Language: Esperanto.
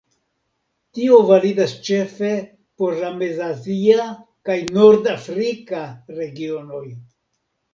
Tio validas ĉefe por la mez-azia kaj nord-afrika regionoj.